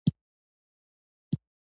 عوامل یې هم په افغاني رنګ ورنګېدل.